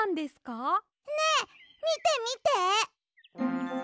ねえみてみて！